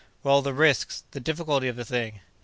"Well, the risks, the difficulty of the thing."